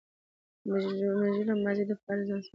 مجهوله ماضي د فاعل ځای نیسي.